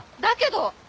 だけど！